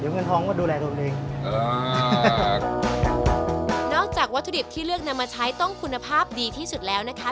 เงินทองก็ดูแลตัวเองอ่านอกจากวัตถุดิบที่เลือกนำมาใช้ต้องคุณภาพดีที่สุดแล้วนะคะ